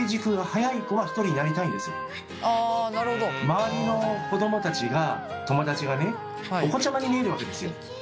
周りの子供たちが友だちがねお子ちゃまに見えるわけですよ。